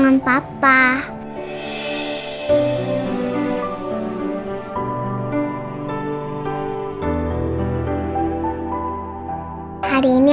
nih ngapain di sini